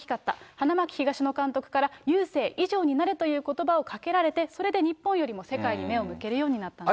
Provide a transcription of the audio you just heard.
花巻東の監督から雄星以上になれということばをかけられて、それで日本より世界に目を向けるようになったんだと。